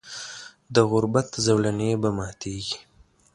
د غربت زولنې به ماتیږي.